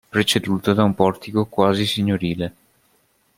Preceduta da un portico quasi signorile.